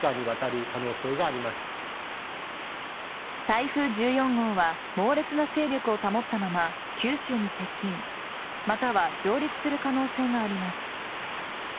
台風１４号は猛烈な勢力を保ったまま九州に接近または上陸する可能性があります。